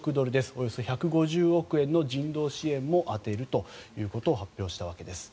およそ１５０億円の人道支援を充てると発表したわけです。